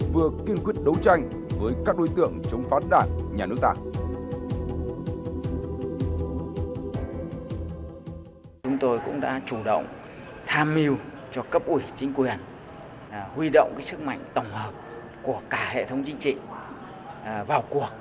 vừa kiên quyết đấu tranh với các đối tượng chống phán đàn nhà nước ta